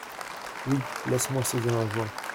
Oui ; laisse-moi saisir un joint.